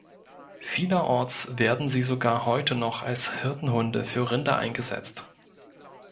Vielerorts werden sie sogar heute noch als Hirtenhunde für Rinder eingesetzt.